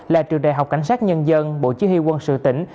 là trường đại học cảnh sát nhân dân bộ chí huy quân sự tỉnh